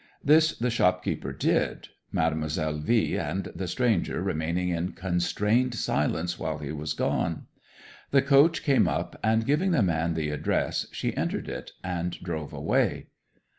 'This the shopkeeper did, Mademoiselle V and the stranger remaining in constrained silence while he was gone. The coach came up, and giving the man the address, she entered it and drove away.